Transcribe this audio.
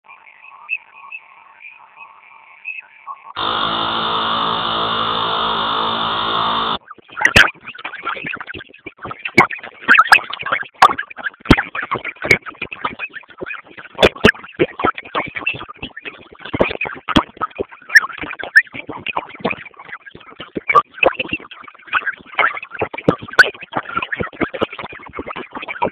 د خوړو توازن روغتیا ساتي.